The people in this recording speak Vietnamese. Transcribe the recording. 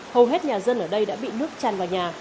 hầu hết nhà dân ở đây đã bị nước tràn vào nhà